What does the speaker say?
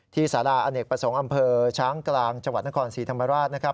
สาราอเนกประสงค์อำเภอช้างกลางจังหวัดนครศรีธรรมราชนะครับ